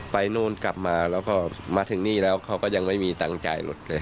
นู่นกลับมาแล้วก็มาถึงนี่แล้วเขาก็ยังไม่มีตังค์จ่ายรถเลย